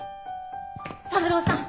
三郎さん